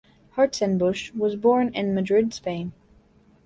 Hartzenbusch was born in Madrid, Spain.